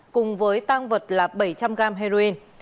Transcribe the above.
cùng với tang vật là bảy trăm linh gram heroin